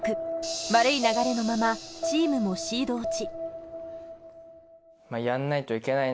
悪い流れのまま、チームもシード落ち。